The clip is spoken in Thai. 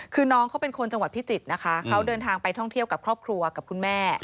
คือน้องเขาเป็นคนจังหวัดพิจิตรนะคะเขาเดินทางไปท่องเที่ยวกับครอบครัวกับคุณแม่